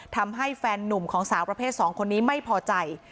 ทำให้แฟนนุ่มของสาวประเภท๒คนนี้ไม่พอใจ